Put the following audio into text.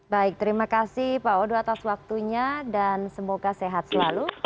baik terima kasih pak odo atas waktunya dan semoga sehat selalu